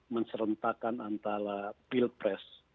menserentakkan antara pilpres